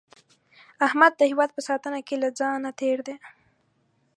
احمد د هیواد په ساتنه کې له ځانه تېر دی.